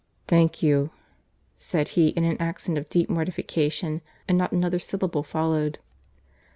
"Thank you," said he, in an accent of deep mortification, and not another syllable followed.